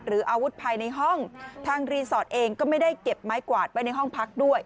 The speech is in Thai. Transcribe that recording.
อาวุธภายในห้องทางรีสอร์ทเองก็ไม่ได้เก็บไม้กวาดไว้ในห้องพักด้วย